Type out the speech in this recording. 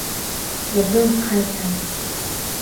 Бөгөн ҡайтам.